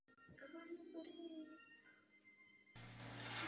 V Severní Koreji se to děje dodnes.